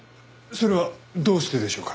それはどうしてでしょうか？